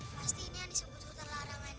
pastinya disebut terlarangan